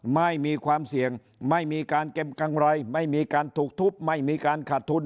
ไม่มีความเสี่ยงไม่มีการเก็บกำไรไม่มีการถูกทุบไม่มีการขาดทุน